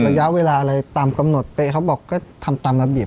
ระยะเวลาอะไรตามกำหนดเป๊ะเขาบอกก็ทำตามระเบียบ